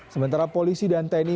sementara polisi dan tni